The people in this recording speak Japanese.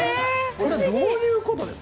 これどういうことですか？